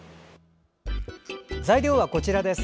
材料はこちらです。